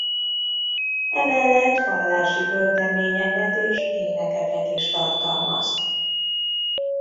Emellett vallási költeményeket és énekeket is tartalmaz.